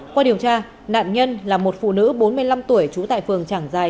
qua điều tra nạn nhân là một phụ nữ bốn mươi năm tuổi trú tại phường trảng giài